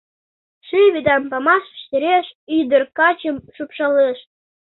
Ший вӱдан памаш сереш Ӱдыр качым шупшалеш.